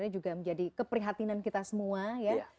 ini juga menjadi keprihatinan kita semua ya